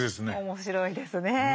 面白いですね。